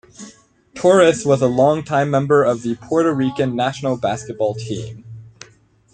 Torres was a longtime member of the Puerto Rican national basketball team.